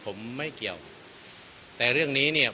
ผมไม่เกี่ยวแต่เรื่องนี้เนี่ย